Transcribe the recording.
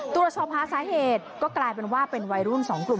ตรวจสอบหาสาเหตุก็กลายเป็นว่าเป็นวัยรุ่น๒กลุ่ม